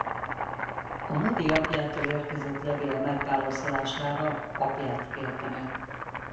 A Moody apjától érkezett levél megválaszolására apját kérte meg.